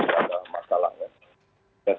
untuk ada masalahnya